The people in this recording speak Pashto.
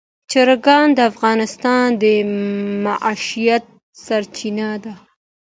چرګان د افغانانو د معیشت سرچینه ده.